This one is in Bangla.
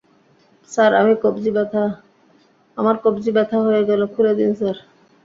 স্যার, আমার কব্জি ব্যথা হয়ে গেল, খুলে দিন, স্যার।